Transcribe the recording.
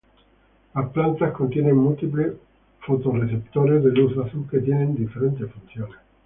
Las plantas contienen múltiples fotorreceptores de luz azul que tienen diferentes funciones.